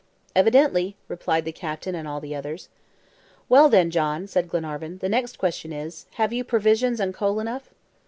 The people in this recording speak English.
"Evidently," replied the captain and all the others. "Well, then, John," said Glenarvan, "the next question is, have you provisions and coal enough?"